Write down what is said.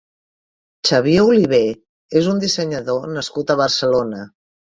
Xavier Olivé és un dissenyador nascut a Barcelona.